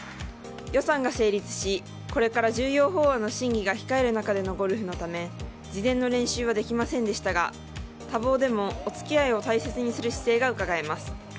予算が成立し、これから重要法案の審議が控える中でのゴルフのため、事前の練習はできませんでしたが多忙でも、お付き合いを大切にする姿勢がうかがえます。